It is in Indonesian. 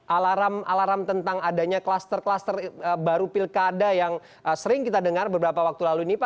alarm alarm tentang adanya kluster kluster baru pilkada yang sering kita dengar beberapa waktu lalu ini pak